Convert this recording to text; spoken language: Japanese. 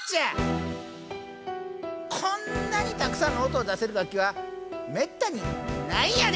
こんなにたくさんの音を出せる楽器はめったにないんやで！